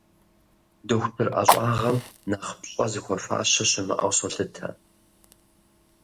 Дохутыр ӏэщӏагъэм нэхъ пщӏэ зыхуэфащэ щымыӏэу солъытэ.